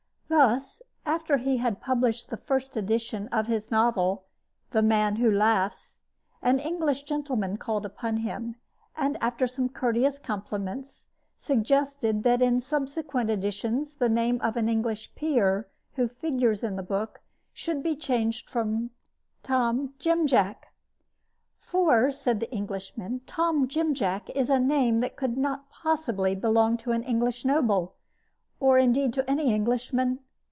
Thus, after he had published the first edition of his novel, The Man Who Laughs, an English gentleman called upon him, and, after some courteous compliments, suggested that in subsequent editions the name of an English peer who figures in the book should be changed from Tom Jim Jack. "For," said the Englishman, "Tom Jim Jack is a name that could not possibly belong to an English noble, or, indeed, to any Englishman.